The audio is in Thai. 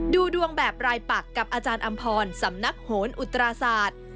ดูดวงแบบรายปักกับอาจารย์อำพรสำนักโหนอุตราศาสตร์